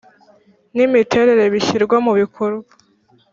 N imiterere bishyirwa mu bikorwa